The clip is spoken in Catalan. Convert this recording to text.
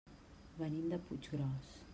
Venim de Puiggròs.